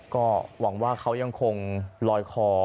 ก็หวังว่าเขายังคงลอยคอ